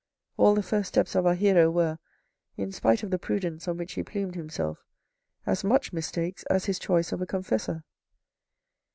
All the first steps of our hero were, in spite of the prudence on which he plumed himself, as much mistakes as his choice of a confessor.